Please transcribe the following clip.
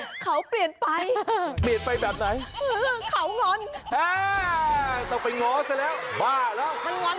ตกไปหงอเสร็จแล้วบ้าแล้วมันหง่อนลงล่าง